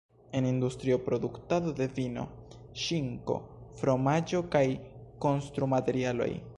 En industrio, produktado de vino, ŝinko, fromaĝo, kaj konstrumaterialoj.